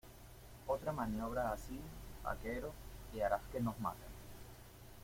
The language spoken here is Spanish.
Otra maniobra así, vaquero , y harás que nos maten.